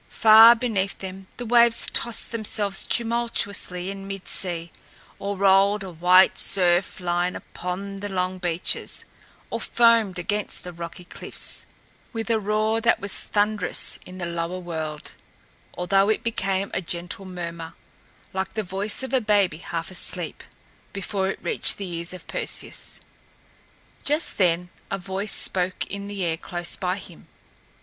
Far beneath them the waves tossed themselves tumultuously in mid sea, or rolled a white surf line upon the long beaches, or foamed against the rocky cliffs, with a roar that was thunderous in the lower world, although it became a gentle murmur, like the voice of a baby half asleep, before it reached the ears of Perseus. Just then a voice spoke in the air close by him.